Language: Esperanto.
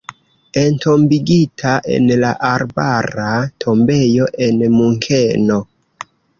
Entombigita en la Arbara Tombejo en Munkeno.